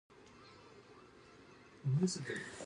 The Swedish team eventually had to return their bronze medals.